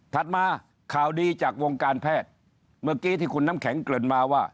มาข่าวดีจากวงการแพทย์เมื่อกี้ที่คุณน้ำแข็งเกริ่นมาว่า